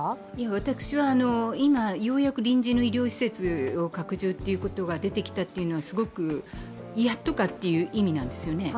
私は今ようやく臨時の医療施設を拡充ということが出てきたというのはすごく、やっとかという意味なんですよね。